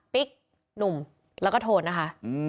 หนุ่มแล้วก็โทนนะคะ